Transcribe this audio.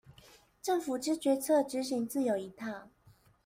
政府之決策執行自有一套